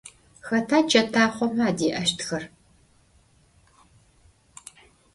Xeta çetaxhome adê'eştxer?